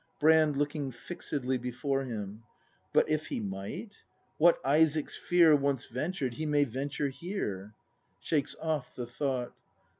Brand. [Looking fixedly before him.] But if he might? What "Isaac's Fear" Once ventured, He may venture here. [Shakes off the thought.